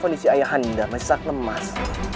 kondisi ayahanda masih sangat lemas